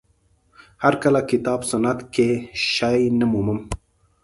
هر کله کتاب سنت کې شی نه مومم